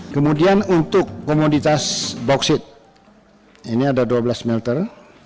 kemudian untuk komoditas bauksit ini ada dua belas smelter